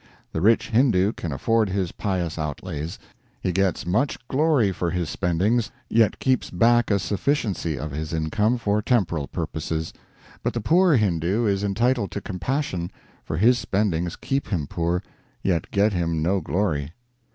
The rich Hindoo can afford his pious outlays; he gets much glory for his spendings, yet keeps back a sufficiency of his income for temporal purposes; but the poor Hindoo is entitled to compassion, for his spendings keep him poor, yet get him no glory.